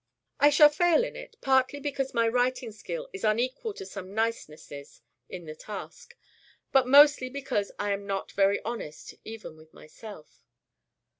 I shall fail in it, partly because my writing skill is unequal to some nicenesses in the task, but mostly because I am not very honest even with myself.